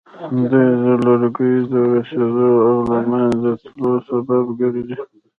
دوی د لرګیو د ورستېدلو او له منځه تلو سبب ګرځي.